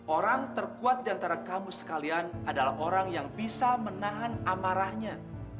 orang terkuat di antara kamu sekalian adalah orang yang bisa menahan amarahnya